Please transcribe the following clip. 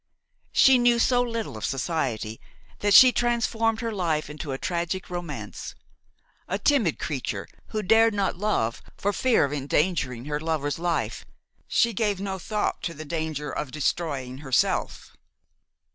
She knew so little of society that she transformed her life into a tragic romance; a timid creature, who dared not love for fear of endangering her lover's life, she gave no thought to the danger of destroying herself.